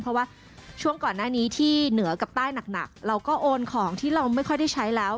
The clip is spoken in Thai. เพราะว่าช่วงก่อนหน้านี้ที่เหนือกับใต้หนักเราก็โอนของที่เราไม่ค่อยได้ใช้แล้ว